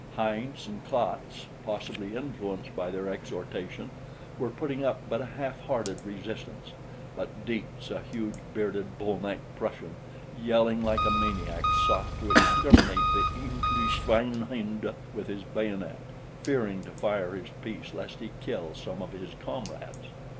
Heinz and Klatz, possibly influenced by their exhortation, were putting up but a half hearted resistance; but Dietz, a huge, bearded, bull necked Prussian, yelling like a maniac, sought to exterminate the Englische schweinhunde with his bayonet, fearing to fire his piece lest he kill some of his comrades.